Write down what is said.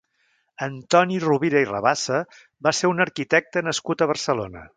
Antoni Rovira i Rabassa va ser un arquitecte nascut a Barcelona.